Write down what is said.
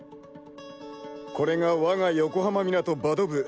これがわが横浜湊バド部